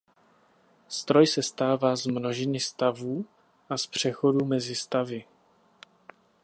Stroj sestává z množiny stavů a z přechodů mezi stavy.